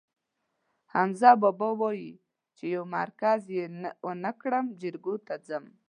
حمزه بابا وایي: چې یو مرگز یې ونه کړم، جرګو ته ځم.